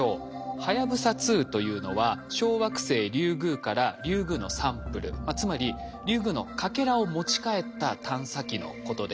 はやぶさ２というのは小惑星リュウグウからリュウグウのサンプルつまりリュウグウのかけらを持ち帰った探査機のことです。